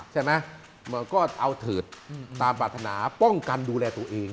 มันก็เอาเถิดตามปรารถนาป้องกันดูแลตัวเอง